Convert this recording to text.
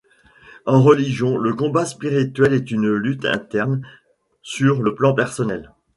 En religion, le combat spirituel est une lutte interne sur le plan personnel.